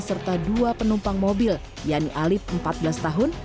serta dua penumpang mobil yani alip empat belas tahun